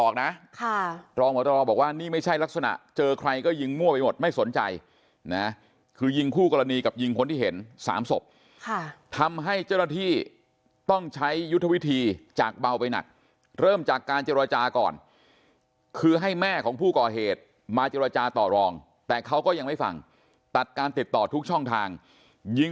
ก็เลยยิงใส่พ่อไปอีกเลยตายไปสาม